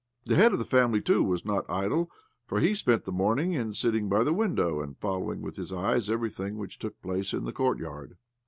The head of the family, too, was not idle, for he spent the morning in sitting by the window and following with his eyes everything which took place in the court yard.